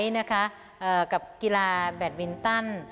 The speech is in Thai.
กับกีฬาแบตมินตัน